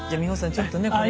ちょっとねこれ。